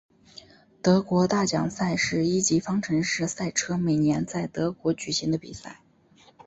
德国大奖赛是一级方程式赛车每年在德国举行的比赛。